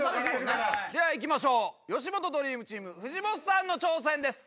じゃあ行きましょう吉本ドリームチーム藤本さんの挑戦です。